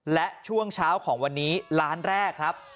และช่วงเช้าของวันนี้ล้านแรกครับ